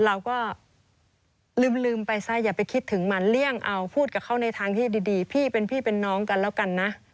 เราก็ลืมไปซะอย่าไปคิดถึงมันเลี่ยงเอาพูดกับเขาในทางที่ดีพี่เป็นพี่เป็นน้องกันแล้วกันนะ